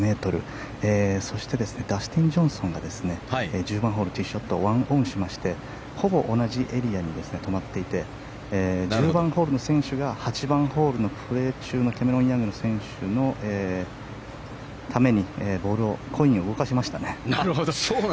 そしてダスティン・ジョンソンが１０番ホール、ティーショット１オンしましてほぼ同じエリアに止まっていて１０番ホールの選手が８番ホールをプレー中のキャメロン・ヤング選手のためにボールをコインを動かしましたね。